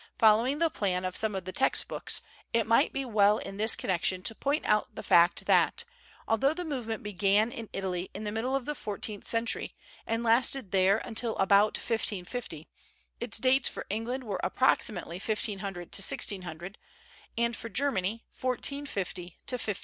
Following the plan of some of the text books, it might be well in this connection to point out the fact that, although the movement began in Italy in the middle of the fourteenth century and lasted there until about 1550, its dates for England were approximately 1500 to 1600, and for Germany, 1450 to 1520.